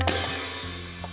nggak ada apa apa